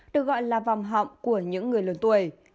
được gọi là vòng họng của những người lớn tuổi